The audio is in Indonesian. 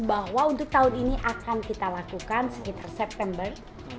bahwa untuk tahun ini akan kita lakukan sekitar september